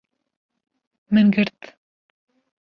Min girt